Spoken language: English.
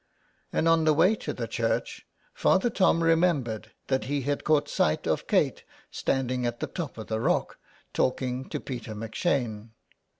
And on the way to the church Father Tom re membered that he had caught sight of Kate standing at the top of the rock talking to Peter M'Shane.